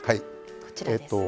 こちらですね。